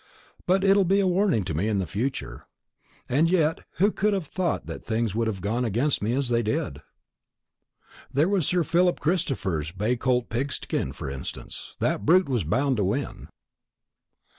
But it'll be a warning to me in future. And yet who could have thought that things would have gone against me as they did? There was Sir Philip Christopher's bay colt Pigskin, for instance; that brute was bound to win."